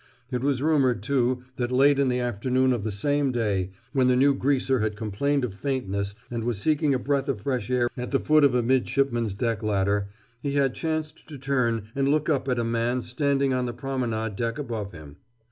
It was rumored, too, that late in the afternoon of the same day, when the new greaser had complained of faintness and was seeking a breath of fresh air at the foot of a midships deck ladder, he had chanced to turn and look up at a man standing on the promenade deck above him.